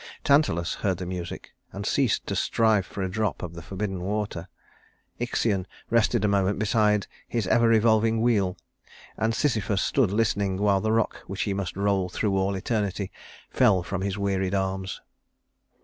Tantalus heard the music, and ceased to strive for a drop of the forbidden water; Ixion rested a moment beside his ever revolving wheel; and Sisyphus stood listening, while the rock which he must roll through all eternity fell from his wearied arms.